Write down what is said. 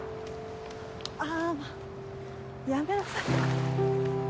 あもうやめなさい。